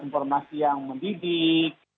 informasi yang mendidik